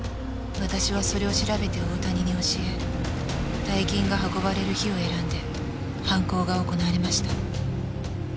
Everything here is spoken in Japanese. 私はそれを調べて大谷に教え大金が運ばれる日を選んで犯行が行われました。